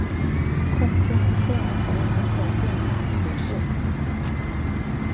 空中科尔德人口变化图示